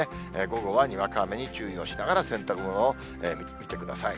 午後はにわか雨に注意をしながら、洗濯物を見てください。